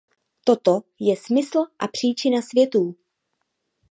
Toto je smysl a příčina světů.